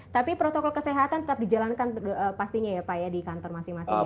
tapi protokol kesehatan tetap dijalankan pastinya ya pak ya di kantor masing masing